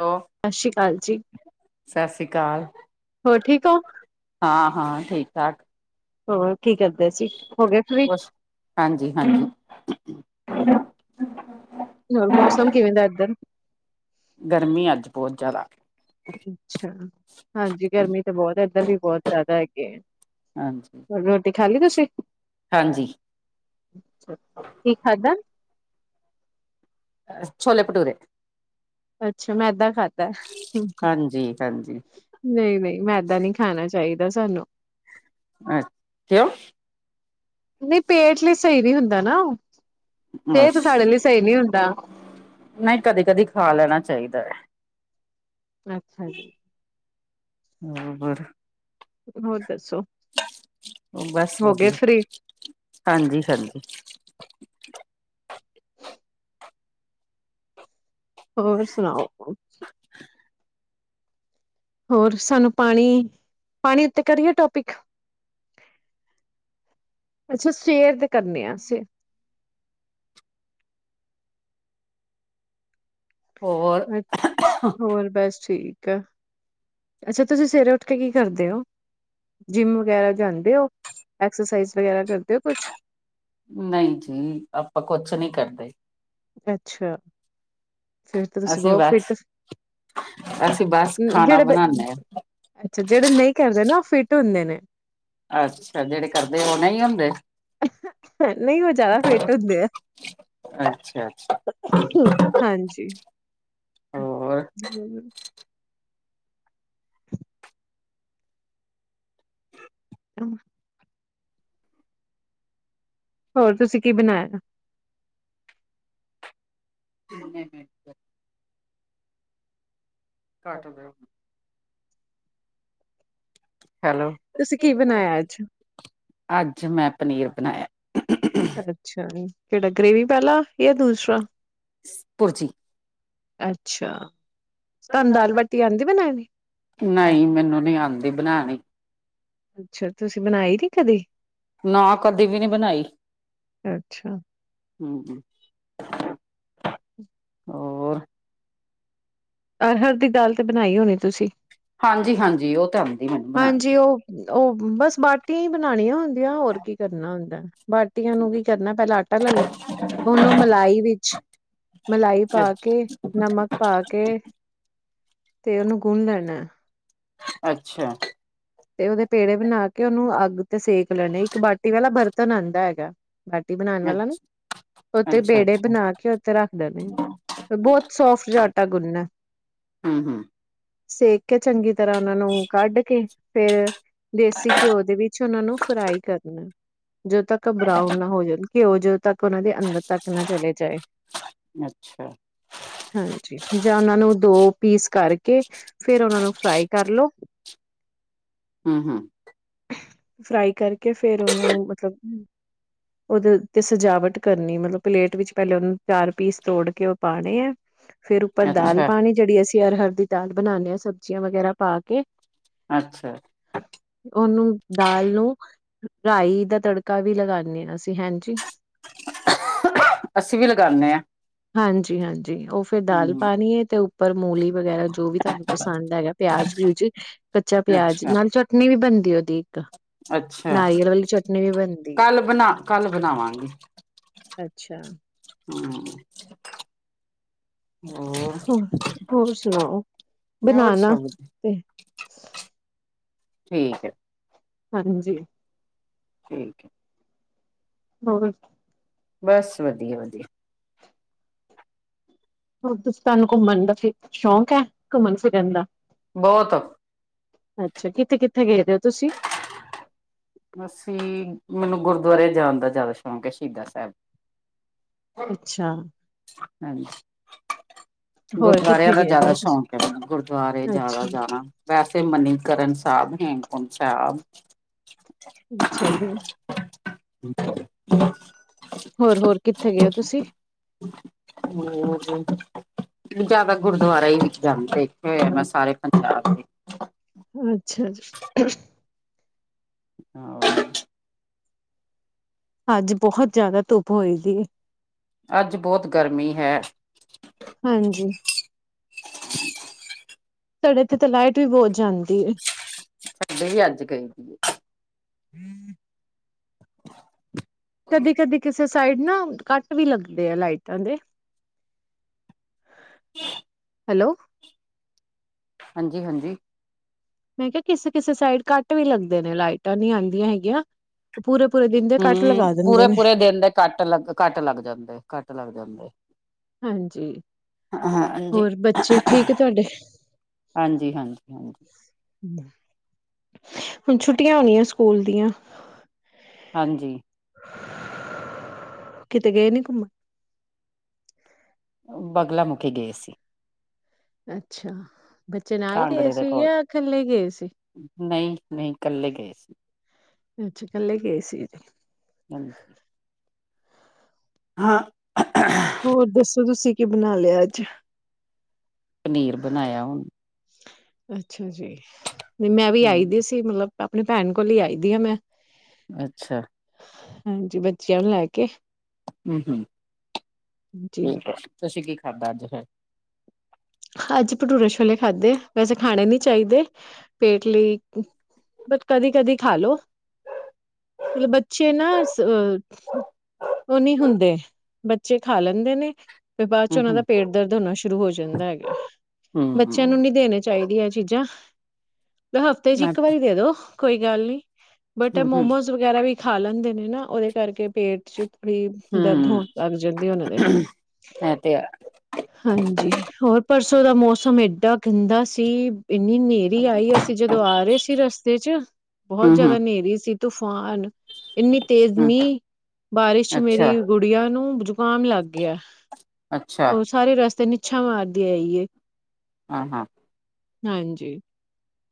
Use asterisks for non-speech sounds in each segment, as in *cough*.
Hello ਸਤਿ ਸ਼੍ਰੀ ਅਕਾਲ ਜੀ, ਸਤਿ ਸ੍ਰੀ ਅਕਾਲ ਹੋਰ ਠੀਕ ਹੋ? ਹਾਂ -ਹਾਂ ਠੀਕ ਠਾਕ। ਹੋਰ? ਕੀ ਕਰਦੇ ਸੀ। ਹੋਗੇ ਫ੍ਰੀ ਬਸ ਹਾਂਜੀ ਹਾਂਜੀ ਹੋਰ ਮੌਸਮ ਕਿਵੇਂ ਦਾ ਏਧਰ? ਗਰਮੀ, ਅੱਜ ਬਹੁਤ ਜਿਆਦਾ। ਅੱਛਾ! ਹਾਂਜੀ ਗਰਮੀ ਤੇ ਬਹੁਤ ਇੱਧਰ ਵੀ ਬਹੁਤ ਜ਼ਿਆਦਾ ਹੈਗੀ ਐ। ਹਾਂਜੀ ਹਾਂਜੀ ਕੀ ਖਾਧਾ? ਛੋਲੇ ਭਟੂਰੇ। ਅੱਛਾ ਮੈਦਾ ਖਾਧਾ। ਹਾਂਜੀ ਹਾਂਜੀ ਨਹੀਂ ਨਹੀਂ ਮੈਦਾ ਨੀ ਖਾਣਾ। ਚਾਹੀਦਾ ਸਾਨੂੰ। ਆ ਕਿਓਂ ਨਹੀਂ ਪੇਟ ਲਈ ਸਈ ਨਈ ਹੁੰਦਾ ਨਾ ਓ। ਅੱਛਾ ਹੁੰਦਾ। ਨਈ ਕਦੇ ਕਦੀ ਖਾ ਲੈਣਾ ਚਾਹੀਦਾ ਐ। ਅੱਛਾ ਜੀ ਹੋਰ ਬਸ ਹੋਰ ਦੱਸੋ ਉਹ ਬਸ ਹੋ ਗਏ ਵਧੀਆ। ਫ੍ਰੀ? ਹਾਂਜੀ -ਹਾਂਜੀ। ਹੋਰ ਸੁਣਾਓ? ਹੋਰ ਸਾਨੂੰ ਪਾਣੀ। ਪਾਣੀ ਉੱਤੇ ਕਰੀਏ -ਟੋਪਿਕ? ਅੱਛਾ ਸਵੇਰ ਤੇ ਕਰਨੇ ਆ ਅਸੀਂ। ਹੋਰ ਅੱਛਾ ਹੋਰ ਬਸ ਠੀਕ। ਕਾ ਅੱਛਾ! ਤੁਸੀਂ ਸਵੇਰੇ ਉਠ ਕੇ ਕੀ ਕਰਦੇ ਓ? ਜਿੰਮ ਵਗੈਰਾ ਜਾਂਦੇ ਓ? ਐਕਸਰਸਾਈਜ਼ ਵਗੈਰਾ ਕਰਦੇ ਓ ਕੁਛ? ਨਹੀਂ ਜੀ ਆਪਾਂ ਕੁਛ ਨਹੀਂ ਕਰਦੇ ਅੱਛਾ ਫਿਰ ਤੇ ਤੁਸੀਂ ਅਸੀਂ ਬਹੁਤ ਬਸ ਫਿਟ। ਅਸੀਂ ਬਸ ਖਾਣਾ ਜੇੜੇ ਬਣਾਉਦੇ -ਅੱਛਾ ਜਿਹੜੇ ਨਹੀਂ ਕਰਦੇ ਨਾ। ਫਿੱਟ ਹੁੰਦੇ ਨੇ। ਅੱਛਾ ਜ ਜਿਹੜੇ ਕਰਦੇ ਉਹ ਨਹੀਂ ਹੁੰਦੇ? ਨਹੀਂ, ਉਹ ਜ਼ਾਦਾ ਫਿੱਟ ਹੁੰਦੇ ਆ। ਅੱਛਾ ਅੱਛਾ ਹਾਂਜੀ ਹੋਰ *unintelligible* *inaudible* ਹੋਰ ਤੁਸੀਂ ਕੀ ਬਣਾਇਆ? ਘੱਟਦੇ ਹੈਲੋ, ਤੁਸੀਂ ਕੀ ਬਣਾਇਆ ਅੱਜ ਅੱਜ ਮੈਂ ਪਨੀਰ ਬਣਾਇਆ। ਅੱਛਾ ਜੀ। ਕੇੜਾ ਗ੍ਰੇਵੀ ਵਾਲਾ ਯਾ ਦੂਸਰਾ? ਪੁਰਜੀ। ਅੱਛਾ। ਤਾਨੂੰ ਦਾਲ-ਬਾਟੀ ਆਂਦੀ ਬਣਾਣੀ? ਨਹੀਂ ਮੈਨੂੰ ਨੀ ਆਉਂਦੀ ਬਣਾਣੀ। ਅੱਛਾ, ਤੁਸੀਂ ਬਣਾਈ ਨੀ ਕਦੇ? ਨਾ ਕਦੇ ਵੀ ਨਈ ਬਣਾਈ। ਅੱਛਾ ਹੂੰ। ਓਰ ਅਰਹਰ ਦੀ ਦਾਲ ਤੇ ਬਣਾਈ ਹੋਣੀ ਤੁਸੀ? ਹਾਂਜੀ, ਹਾਂਜੀ। ਓ ਤਾਂ ਆ ਹਾਂਜੀ, ਓ, ਓ, ਬਸ ਬਾਟੀਆ ਈ ਬਣਾਣੀਆਂ ਹੁੰ ਦੀਆ, ਹੋਰ ਕੀ ਕਰਨਾ ਹੁੰਦਾ। ਬਾਟੀਆਂ ਨੂੰ ਕੀ ਕਰਨਾ ਪੈਲਾ ਆਟਾ ਲਲ ਲਓ, ਉਹਨੂੰ ਮਲਾਈ ਵਿੱਚ ਮਲਾਈ ਪਾ ਅੱਛਾ ਕੇ, ਨਮਕ ਪਾ ਕੇ ਤੇ ਓਨੂੰ ਗੁਣ ਲੈਣਾ। ਅੱਛਾ। ਤੇ ਓਦੇ ਪੇੜੇ ਬਣਾ ਕੇ ਓਨੂੰ ਅੱਗ ਤੇ ਸੇਕ ਲੈਣੇ, ਇੱਕ ਬਾਟੀ ਵਾਲਾ ਬਰਤ ਤਨੰਦਾ ਹੈਗਾ। ਬਾਟੀ ਬਨਾਣ ਵਾਲਾ ਨਾ, ਅੱਛਾ ਓਤੇ ਅੱਛਾ ਪੇੜੇ ਅੱਛਾ ਬਨਾ ਕੇ ਓਥੇ ਰੱਖ ਦਨੇ, ਬੋਤ ਸੋਫਟ ਜਾ ਆਟਾ ਗੁੰਨਨੈ, ਹਮ ਹਮ ਸੇਕ ਕੇ ਚੰਗੀ ਤਰਾ ਓਨਾਂ ਨੂੰ ਕੱਢ ਕੇ ਫੇਰ ਦੇਸੀ ਘਿਓ ਦੇ ਵਿੱਚ ਓਨਾਂ ਨੂੰ ਫਰਾਈ ਕਰਨਾ, ਜਦੋ ਤੱਕ ਬਰਾਉਨ ਨਾ ਹੋ ਜਾਨ। ਘਿਓ ਜਦੋ ਤੱਕ ਓਨਾਂ ਦੇ ਅੰਦਰ ਤੱਕ ਨਾ ਚਲੇ ਜਾਏ। ਅੱਛਾ ਹਾਂਜੀ, ਜਾ ਓਨਾਂ ਨੂੰ ਦੋ ਪੀਸ ਕਰਕੇ ਫੇਰ ਓਨਾਂ ਨੂੰ ਫਰਾਈ ਕਰਲੋ। ਹੂੰ, ਹੂੰ। ਫਰਾਈ ਕਰਕੇ ਫੇਰ ਓਨੂੰ ਮਤਲਬ, ਓਦੇ ਉੱਤੇ ਸਜਾਵਟ ਕਰਨੀ, ਮਤਲਬ ਪਲੇਟ ਵਿੱਚ ਪੈਲੇ ਓਨੂੰ ਚਾਰ ਪੀਸ ਤੋੜ ਕੇ ਓ ਪਾਣੇ ਐ। ਫੇਰ ਉੱਪਰ ਦਾਲ ਅੱਛਾ ਪਾਣੀ ਜੇੜੀ ਅਸੀ ਅਰਹਰ ਦੀ ਦਾਲ ਬਣਾਨੇ ਆ ਸਬਜ਼ੀਆ ਵਗੈਰਾ ਪਾ ਕੇ। ਅੱਛਾ। ਓਨੂੰ ਦਾਲ ਨੂੰ ਰਾਈ ਦਾ ਤੜਕਾ ਵੀ ਲਗਾਨੇ ਆ ਅਸੀ। ਹਾਂਜੀ। ਅਸੀਂ ਵੀ ਲਗਾਉਂਦੇ ਹਾਂ ਹਾਂਜੀ, ਹਾਂਜੀ, ਓ ਫਿਰ ਦਾਲ ਹਮ ਪਾਣੀ ਹੈ ਤੇ ਪਰ ਮੂਲੀ, ਵਗੈਰਾ ਜੋ ਵੀ ਤੁਹਾਨੂੰ ਪਸੰਦ ਹੈਗਾ ਪਿਆਜ- ਪੂਜ ਕੱਚਾ ਪਿਆਜ ਅੱਛਾ ਨਾਲ ਚਟ ਨਈ ਵੀ ਬਣਦੀ ਉਹਦੀ। ਅੱਛਾ ਨਾਰੀਅਲ ਵਾਲੀ ਚਟਨੀ ਵੀ ਬਣਦੀ ਏ। ਕੱਲ ਬਨਾ ਕੱਲ ਬਨਾਵਾਂਗੀ। ਅੱਛਾ। ਹਾ। ਹੋਰ? ਹੋਰ ਸੁਨਾਓ? ਹੋਰ ਬਨਾਣਾ ਸਭ ਤੇ *unintelligible* ਠੀਕ ਐ। ਹਾਂ, ਜੀ। ਠੀਕ ਏ। ਹੋਰ। ਬਸ ਵਧੀਆ, ਵਧੀਆ। ਹਦੁਸਤਾਨ ਘੁੰਮਨ ਦਾ ਫ ਸ਼ੌਕ ਹੈ ਘੁੰਮਣ ਫਿਰਨ ਦਾ? ਬੋਹਤ। ਅੱਛਾ ਕਿੱਥੇ-ਕਿੱਥੇ ਗਏ? ਦੇ ਹੋ ਤੁਸੀਂ ਅਸੀ ਮੈਨੂੰ ਗੁਰਦੁਆਰੇ ਜਾਣ ਦਾ ਜ਼ਿਆਦਾ ਸ਼ੌਕ ਹੈ ਸ਼ਹੀਦਾ ਸਾਹਿਬ। ਅੱਛਾ ਹਜੀ ਹੋਰ ਗੁਰਦੁਆਰਿਆਂ ਕਿੱਥੇ ਦਾ ਗਏ ਦੇ ਜ਼ਿਆਦਾ ਹੋ ਤੁਸੀਂ ਸ਼ੌਕ ਹੈ ਮੈ ਗੁਰਦੁਆਰੇ ਜ਼ਿਆਦਾ ਜਾਣਾ ਵੈਸੇ ਮਨੀਕਰਨ ਸਾਬ। *inaudible* ਪੰਜਾਬ। ਅੱਛਾ ਜੀ? *unintelligible* ਹੋਰ ਹੋਰ ਕਿੱਥੇ ਗਏ ਹੋ ਤੁਸੀਂ ਹੋਰ ਜ਼ਿਆਦਾ ਗੁਰਦੁਆਰਾ ਹੀ ਵਿੱਚ ਲਿਖੇ ਇਥੇਆ ਮੈਂ ਸਾਰੇ ਪੰਜਾਬ *inaudible* *inaudible* ਹਾ ਓ ਅੱਜ ਬਹੁਤ ਜ਼ਿਆਦਾ ਧੁੱਪ ਹੋਏ ਦੀ ਅੱਜ ਬੋਤ ਗਰਮੀ ਹੈ। ਹਾਂਜੀ *unintelligible* ਸਾਡੇ ਤਾਂ ਇਥੇ ਲਾਈਟ ਵੀ ਬਹੁਤ ਜਾਂਦੀ ਏ। ਸਾਡੇ ਵੀ ਅੱਜ ਗਏ ਸੀ। ਕਦੀ, ਕਦੀ ਕਿਸੇ ਸਾਈਦ ਨਾ ਕੱਟ ਵੀ ਲੱਗਦੇ ਆ ਲਾਈਟਾਂ ਦੇ ਕੀਅ? ਹੈਲੋ ਹਾਂਜੀ, ਹਾਂਜੀ। ਮੈ ਕੇਆ ਕਿਸੇ ਕਿਸੇ ਸਾਈਡ ਕੱਟ ਵੀ ਲੱਗਦੇ ਨੇ ਲਾਈਟਾ ਨੀ ਆਂਦੀਆ ਹੈਗੀਆ। ਹੂੰ, ਪੂਰੇ ਪੂਰੇ ਦਿਨ ਦੇ ਕੱਟ ਲੱਗ ਕੱਟ ਲੱਗ ਜਾਂਦੇ, ਕੱਟ ਲੱਗ ਜਾਂਦੇ। ਹਾਂਜੀ, ਹਾਂਜੀ ਹੋਰ ਬੱਚੇ ਠੀਕ ਤੋਆਡੇ? ਹਾਂਜੀ ਹਾਂਜੀ ਹਾਂਜੀ ਹੁਨ ਛੁੱਟੀਆ ਹੋਨੀਆ ਸਕੂਲ ਦੀਆ? ਹਾਂਜੀ। ਕਿਤੇ ਗਏ ਨੀ ਘੁੰਮਣ? ਬਗਲਾ ਮੁਖੀ ਗਏ ਸੀ। ਅੱਛਾ। ਬੱਚੇ ਨਾਲ ਗਏ ਕਾਂਗੜੇ ਦੇ ਸੀ ਕੋਲ ਜਾਂ ਕੱਲੇ ਗਏ ਸੀ? ਨਹੀਂ ਨਹੀਂ ਇਕੱਲੇ ਗਏ ਸੀ। ਕੱਲੇ ਗਏ ਸੀ। ਹਾਂਜੀ। ਹਾਂ ਹੋਰ ਦੱਸੋ ਤੁਸੀਂ ਕੀ ਬਣਾ ਲਿਆ ਅੱਜ? ਪਨੀਰ ਬਣਾਇਆ। ਅੱਛਾ ਜੀ। ਮੈਂ ਵੀ ਆਈ ਦੀ ਹਮ ਸੀ ਮਤਲਬ। ਆਪਣੀ ਭੈਣ ਕੋਲ ਹੀ ਆਈ ਦੀ ਆ, ਮੈਂ। ਅੱਛਾ ਹਾਂਜੀ, ਬੱਚਿਆਂ ਨੂੰ ਲੈ ਕੇ। ਹਮ, ਹਮ। ਜੀ ਤਸੀ ਕੀ *unintelligible* ਅੱਜ ਭਟੂਰੇ ਛੋਲੇ ਖਾਧੇ। ਵੈਸੇ ਖਾਣੇ ਨੀ ਚਾਹੀਦੇ, ਪੇਟ ਲਈ ਬ ਕਦੀ ਕਦੀ ਖਾ ਲੋ। ਮਤਲਬ ਬੱਚੇ ਨਾ, ਅ ਉਹ ਨਹੀਂ ਹੁੰਦੇ, ਬੱਚੇ ਖਾ ਲੈਂਦੇ ਨੇ। ਬਾਅਦ ਚ ਹਮ ਉਹਨਾਂ ਹਮ ਦਾ ਪੇਟ ਦਰਦ ਹੋਣਾ ਸ਼ੁਰੂ ਹੋ ਜਾਂਦਾ ਹੈਗਾ। ਬੱਚਿਆਂ ਨੂੰ ਹਮ ਨਹੀਂ ਦੇਣੇ ਚਾਹੀਦੀਆਂ ਚੀਜ਼ਾਂ। ਹਫ਼ਤੇ ਚ ਹਮ ਇੱਕ ਵਾਰੀ ਦੇ ਦੋ। ਕੋਈ ਗੱਲ ਨਹੀਂ। ਬਟ ਹਮ ਮੋਮੋਸ ਵਗੈਰਾ ਵੀ ਖਾ ਲੈਂਦੇ ਨੇ ਨਾ, ਉਹਦੇ ਕਰਕੇ ਪੇਟ ਚ ਬੜੀ ਦਰਦ ਹਮ ਹੋਣ ਲੱਗ ਜਾਂਦੀ ਉਹਨਾਂ ਦੇ। ਇਹ ਤੇ ਹੈ ਹਾਂਜੀ, ਹੋਰ? ਪਰਸੋਂ ਦਾ ਮੌਸਮ ਏਡਾ ਗੰਦਾ ਸੀ। ਇੰਨੀ ਨੇਰੀ ਆਈ। ਅਸੀਂ ਜਦੋਂ ਆ ਰਹੇ ਸੀ ਰਸਤੇ ਚ, ਬਹੁਤ ਹਮ ਹਮ ਜਿਆਦਾ ਨੇਰੀ ਸੀ। ਤੂਫਾਨ ਇੰਨੀ ਤੇਜ਼ ਹਮ ਮੀਂਹ, ਬਾਰਿਸ਼ ਚ ਅੱਛਾ ਮੇਰੀ ਗੁੜੀਆਂ ਨੂੰ *unintelligible* ਕਾਮ ਲੱਗ ਗਿਆ। ਅੱਛਾ ਹੋਰ ਸਾਰੇ ਰਸਤੇ ਨ ਛਵਰ ਦੇ ਆਈਏ ਹਾਂ ਹਾਂ। ਹਾਂਜੀ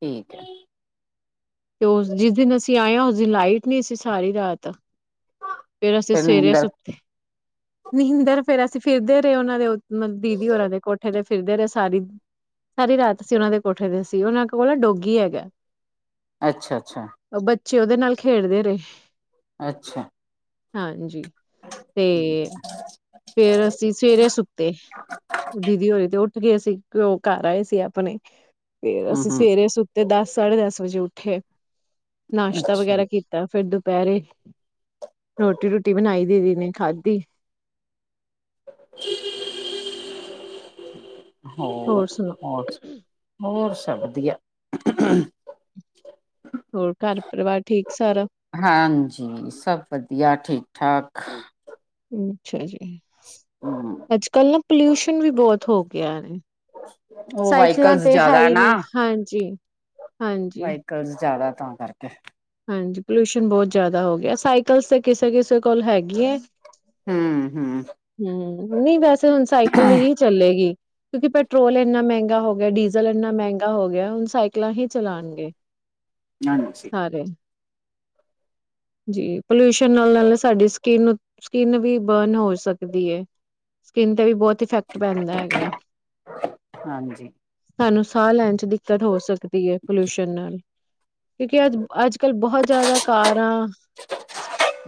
ਠੀਕ ਹੈ। ਤੇ ਉਸ ਜਿਸ ਦਿਨ ਅਸੀਂ ਆਏ ਹਾਂ। ਉਸ ਦਿਨ ਲਾਈਟ ਨਹੀਂ, ਅਸੀਂ ਸਾਰੀ ਰਾਤ ਫੇਰ ਅਸੀਂ ਸਵੇਰੇ ਪਨੀਰ ਆ ਦਾ ਸੁੱਤੇ ਨਹਿੰਦਰ ਫੇਰ ਅਸੀਂ ਫਿਰਦੇ ਰਹੇ, ਉਹਨਾਂ ਦੇ ਉ *unintelligible* ਮ ਦੀਦੀ ਹੋਰਾਂ ਦੇ ਕੋਠੇ ਤੇ ਫਿਰਦੇ ਰਹੇ ਸਾਰੀ, ਸਾਰੀ ਰਾਤ ਅਸੀ ਉਹਨਾਂ ਦੇ ਕੋਠੇ ਤੇ ਸੀ, ਉਹਨਾਂ ਕੋਲ ਡੋਗੀ ਹੈਗਾ। ਅੱਛਾ, ਅੱਛਾ। ਬੱਚੇ ਉਹਦੇ ਨਾਲ ਖੇਡਦੇ ਰਹੇ। ਅੱਛਾ ਹਾਂਜੀ ਤੇ *unintelligible* ਫੇਰ ਅਸੀਂ ਸਵੇਰੇ ਸੁੱਤੇ। ਦੀਦੀ ਹੋਰੇ ਤੇ ਉ ਕਿ ਅਸੀਂ ਉਹ ਘਰ ਆਏ ਸੀ ਆਪਣੇ। ਫੇਰ ਹਮ ਅਸੀਂ ਹਮ ਸਵੇਰੇ ਸੁੱਤੇ। ਦਸ, ਸਾਢੇ-ਦਸ ਵਜੇ ਉੱਠੇ ਉੱਥੇ ਨਾਸ਼ਤਾ ਅੱਛਾ ਵਗੈਰਾ ਕੀਤਾ। ਫਿਰ ਦੁ ਦੁਪਹਿਰੇ, ਰੋਟੀ ਰੂਟੀ ਬਣਾਈ ਦੀਦੀ ਨੇ, ਖਾਧੀ। *inaudible* ਹੋਰ, ਹੋਰ, ਹੋਰ। ਵਧੀਆ। ਹੋਰ ਘਰ ਪਰਿਵਾਰ ਠੀਕ ਸਾਰਾ ਹਾਂਜੀ, ਸਭ ਵਧੀਆ, ਠੀਕ। *unintelligible* ਅੱਛਾ ਜੀ। ਹਮ ਅੱਜ ਕੱਲ ਨਾ, ਪੋਲਿਊਸ਼ਨ ਵੀ ਬਹੁਤ ਹੋ ਗਿਆ। ਉਹ ਸਾਈਕਲਾਂ ਵਹੀਕਲਸ ਤੇ ਹੈ ਜਿਆਦਾ ਹੀ ਨਾ। ਨਹੀਂ ਹਾਂਜੀ ਹਾਂਜੀ ਵਹੀਕਲਸ ਜਿਆਦਾ। ਤਾਂ ਕਰਕੇ। ਹਾਂਜੀ, ਪੋਲਿਊਸ਼ਨ ਬਹੁਤ ਜਿਆਦਾ ਹੋ ਗਿਆ। ਸਾਈਕਲ ਤੇ ਕਿਸੇ ਕਿਸ *unintelligible* ਕੋਲ ਹੈਗੀ ਹੈ। ਹਮ ਹਮ ਹਮ। ਨਹੀਂ ਵੈਸੇ ਹੁਣ ਸਾਈਕਲ ਹੀ ਚੱਲੇਗੀ। ਕਿਉਂਕਿ ਪੈਟਰੋਲ ਇੰਨਾ ਮਹਿੰਗਾ ਹੋ ਗਿਆ, ਡੀਜ਼ਲ ਇੰਨਾ ਮਹਿੰਗਾ ਹੋ ਗਿਆ। ਹੁਣ ਸਾਈਕਲਾਂ ਹੀ ਚਲਾਉਣਗੇ। ਜਾਨ ਮਸੀ। ਜੀ, ਪਲਿਊਸ਼ਨ ਨਾਲ ਨਾਲ ਸਾਡੀ ਸਕਿਨ, ਸਕਿੰਨ ਵੀ ਬਰਨ ਹੋ ਸਕਦੀ ਏ। ਸਕਿੰਨ ਤੇ ਵੀ ਬਹੁਤ ਇਫੈਕਟ ਪੈਂਦਾ ਹੈਗਾ ਹਾਂਜੀ ਸਾਨੂੰ ਸਾਹ ਲੈਣ ਚ ਦਿੱਕਤ ਹੋ ਸਕਦੀ ਏ ਪੋਲਿਊਸ਼ਨ ਨਾਲ। ਕਿਉਂਕਿ ਅੱਜ ਅੱਜ- ਅੱਜ ਕਲ ਬਹੁਤ ਜ਼ਾਦਾ ਕਾਰਾਂ,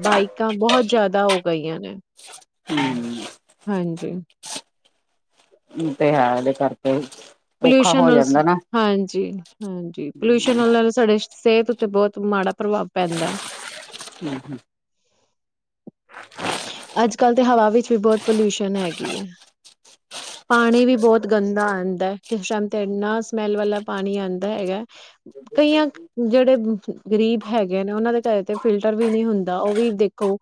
ਬਾਈਕਾਂ ਬਹੁਤ ਜ਼ਾਦਾ ਹੋ ਗਈਆਂ ਨੇ। ਹੂੰ। ਹਾਂਜੀ। ਏ ਤੇ ਹੈ। ਇਹਦੇ ਕਰਕੇ ਈ। ਪੋਲਿਊਸ਼ਨ ਨਾਲ। ਹਾਂਜੀ- ਹਾਂਜੀ। ਪੋਲਿਊਸ਼ਨ ਨਾਲ- ਨਾਲ ਸਾਡੇ- ਸਿਹਤ ਉੱਤੇ ਬੋਤ ਮਾੜਾ- ਪ੍ਰਭਾਵ ਪੈਂਦਾ ਐ। ਹਵਾ ਵਿੱਚ ਵੀ ਬੋਤ ਪੋਲਿਊਸ਼ਨ ਹੈਗੀ ਏ। ਪਾਣੀ ਵੀ ਬੋਤ ਗੰਦਾ ਆਂਦਾ ਏ। ਕਿਸੇ ਟੈਮ ਤੇ ਇੰਨਾ ਸਮੈਲ ਵਾਲਾ ਪਾਣੀ ਆਂਦਾ ਹੈਗਾ। ਕਈਆਂ ਜਿਹੜੇ ਗ਼ਰੀਬ ਹੈਗੇ ਨੇ, ਉਹਨਾਂ ਦੇ ਘਰੇ ਤੇ ਫਿਲਟਰ ਵੀ ਨੀ ਹੁੰਦਾ, ਉਹ ਵੀ ਦੇਖੋ-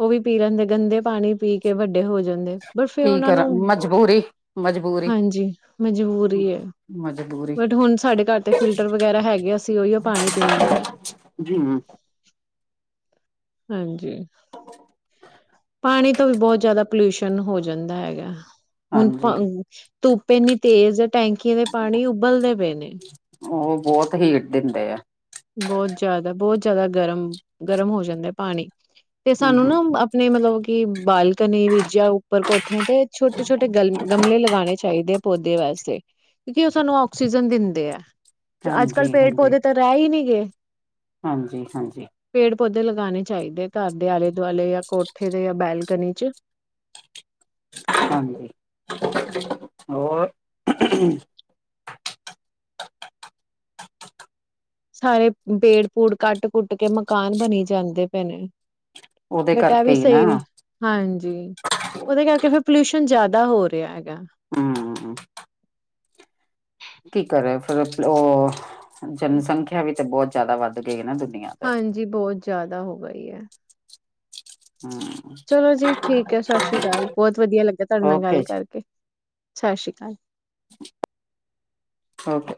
ਉਹ ਵੀ ਪੀ ਲੈਂਦੇ। ਗੰਦੇ ਪਾਣੀ ਪੀ ਕੇ ਵੱਡੇ ਹੋ ਜਾਂਦੇ। ਬਟ ਫਿਰ ਕੀ ਉਹਨਾਂ ਕਰਾਂ। ਨੂੰ ਮਜਬੂਰੀ -ਮਜਬੂਰੀ- ਹਾਂਜੀ ਮਜਬੂਰੀ ਹੈ ਮਜਬੂ- ਬਟ ਹੁਣ ਸਾਡੇ ਘਰ ਤੇ ਫਿਲਟਰ ਵਗੈਰਾ ਹੈਗੇ। ਅਸੀਂ ਉਹੀਓ ਪਾਣੀ ਪੀਂਦੇ ਆਂ। ਹਮ ਹੂੰ। ਪਾਣੀ ਤੋਂ ਵੀ ਬੋਤ ਜ਼ਾਦਾ ਪੋਲਿਊਸ਼ਨ ਹੋ ਜਾਂਦਾ ਹੈਗਾ। ਹੁਣ ਹਾਂਜੀ ਪਣ ਧੁੱਪ ਇੰਨੀ ਤੇਜ਼ ਏ। ਟੈਂਕੀਆਂ ਦੇ ਪਾਣੀ ਉਬਲਦੇ ਪਏ ਨੇ। ਉਹ ਬਹੁਤ ਹੀਟ ਦਿੰਦੇ ਆ। ਬੋਤ ਜਾਦਾ- ਬੋਤ ਜਾਦਾ- ਗਰਮ। ਗਰਮ ਹੋ ਜਾਂਦਾ ਪਾਣੀ। ਤੇ ਹਮ ਸਾਨੂੰ ਨਾ ਹਮ ਆਪਣੇ ਮਲਬ ਕੀ ਬਾਲਕਨੀ *unintelligible* ਉੱਪਰ ਕੋਠਿਆਂ ਤੇ, ਛੋਟੇ ਛੋਟੇ *unintelligible* ਗਮਲੇ ਲਗਾਣੇ ਚਾਹੀਦੇ। ਪੌਦੇ ਵਾਸਤੇ, ਕਿਉਂਕਿ ਉਹ ਸਾਨੂੰ ਆਕਸੀਜਨ ਦਿੰਦੇ ਆ। ਅੱਜ ਕੱਲ ਪੇੜ ਪੌਦੇ ਤਾਂ ਰੈ ਈ ਨੀ *unintelligible* ਹਾਂਜੀ-ਹਾਂਜੀ। ਪੇੜ ਪੌਦੇ ਲਗਾਨੇ ਚਾਈਦੇ ਘਾਰ ਦੇ ਆਲੇ-ਦੁਆਲੇ ਯਾ ਕੋਠੇ ਦੇ ਯਾ ਬੈਲਕਨੀ 'ਚ। ਹਾਂਜੀ, ਹੋਰ *unintelligible* ਸਾਰੇ, ਪੇੜ ਪੂੜ ਕਾਟ ਕੁੱਟ ਕੇ ਮਕਾਨ ਬਣੀ ਜਾਂਦੇ ਪਏ ਨੇ। ਉਹਦੇ ਬਟ ਕਰਕੇ ਆਵੀ ਹੀ ਨਾ ਸਈ ਵੇ, ਹਾਂਜੀ, ਓੱਦੇ ਕਰਕੇ ਫੇਰ ਪਲਿਊਸ਼ਨ ਜਾਦਾ ਦਾ ਹੋ ਰਏਆ ਹੂੰ। ਕੀ ਕਰੇ ਫੇਰ, *unintelligible* ਓ ਜਨਸੰਖੇਆ ਵੀ ਤੇ ਬੋ ਜਾਦਾ ਵਾਧ ਗਈ ਏ ਨਾ ਦੁਨੀਆਂ ਤੇ ਹਾਂਜੀ, ਬੋਤ ਜਾ ਦਾ ਹੋ ਗਈ ਐ। ਹਮ ਚਲੋ ਜੀ ਠੀਕ ਐ ਸਾਸ਼ੀ ਕਾਲ, ਬੋਤ ਵਦੀਆ ਲੱਗਾ ਤੋਡੇ ਨਾਲ ਓਕੇ ਗਾੱਲ ਜੀ ਕਾਰਕੇ। ਸਾਸ਼ੀ ਕਾਲ। ਓਕੇ।